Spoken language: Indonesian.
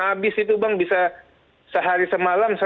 habis itu bang bisa sehari semalam